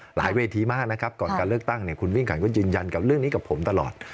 เวทีมากนะครับก่อนการเลือกตั้งเนี่ยคุณวิ่งขันก็ยืนยันกับเรื่องนี้กับผมตลอด